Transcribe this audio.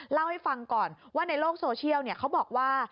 เล่าให้ฟังก่อนว่าในโลกโซเชียลเขาบอกว่า